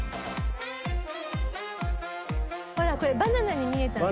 ほらこれバナナに見えたんです。